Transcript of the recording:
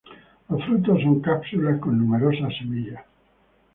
Los frutos son cápsulas con numerosas semillas.